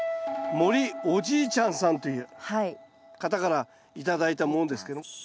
もりお爺ちゃんさんという方から頂いたものですけど。